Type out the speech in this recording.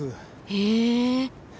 へえ。